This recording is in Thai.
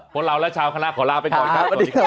พวกเราและชาวคณะขอลาไปก่อนครับสวัสดีครับ